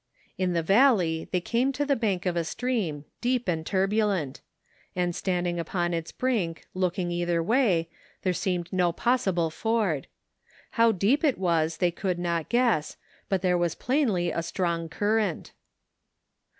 In the valley they came to the bank of a stream, deep and turbulent ; and standing upon its brink, look ing either way, there seemed no possible ford. How deep it was they could not guess, but there was plainly a strong current.